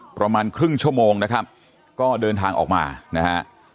ประมาณครึ่งชั่วโมงนะครับก็เดินทางออกมานะฮะ